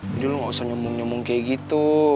jadi lu gak usah nyumbang nyumbang kayak gitu